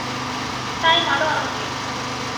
তাই মারো আমাকে।